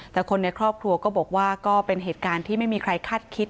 แต่คนในครอบครัวก็บอกว่าก็เป็นเหตุการณ์ที่ไม่มีใครคาดคิด